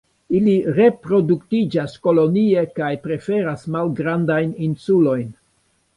Ili reproduktiĝas kolonie kaj preferas malgrandajn insulojn.